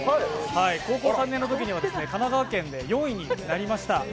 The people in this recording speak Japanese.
高校３年のときには神奈川県で４位になりました。